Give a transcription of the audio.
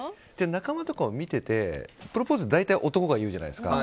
仲間とかを見ててプロポーズは大体男が言うじゃないですか。